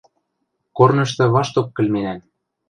Корнышты вашток кӹлменӓм.